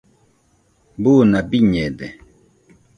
buna biñede